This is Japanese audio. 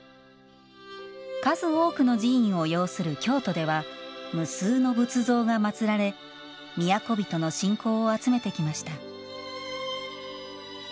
数多くの寺院を擁する京都では無数の仏像が祭られ都人の信仰を集めてきました。